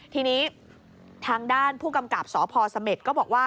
ทีนี้ทางด้านผู้กำกับสพเสม็ดก็บอกว่า